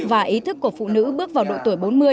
và ý thức của phụ nữ bước vào độ tuổi bốn mươi